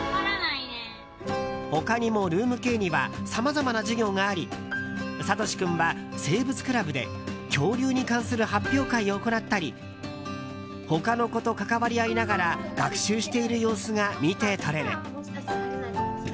他にもｒｏｏｍ‐Ｋにはさまざまな授業がありさとし君は生物クラブで恐竜に関する発表会を行ったり他の子と関わり合いながら学習している様子が見て取れる。